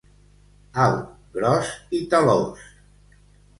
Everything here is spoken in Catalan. Alt, gros i talòs.